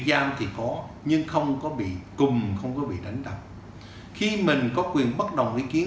trường thì có nhưng không có bị cùm không có bị đánh đập khi mình có quyền bất động ý kiến